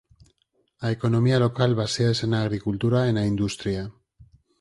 A economía local baséase na agricultura e na industria.